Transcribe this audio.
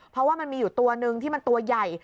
เพราะว่ามันมีอยู่ตัวนึงที่มันตัวใหญ่